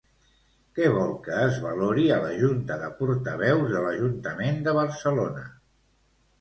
Què vol que es valori a la Junta de Portaveus de l'Ajuntament de Barcelona?